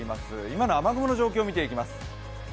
今の雨雲の状況見ていきます。